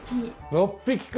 ６匹か。